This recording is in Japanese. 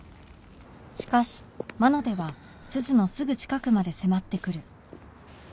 しかし魔の手が鈴のすぐ近くまで迫ってくる